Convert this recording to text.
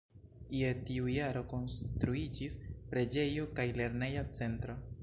Je tiu jaro konstruiĝis preĝejo kaj lerneja centro.